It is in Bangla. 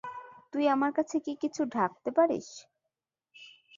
তুই আমার কাছে কি কিছু ঢাকতে পারিস?